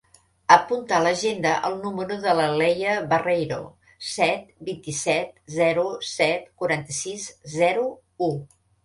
Apunta a l'agenda el número de la Leia Barreiro: set, vint-i-set, zero, set, quaranta-sis, zero, u.